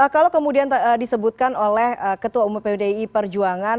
kalau kemudian disebutkan oleh ketua umum pdi perjuangan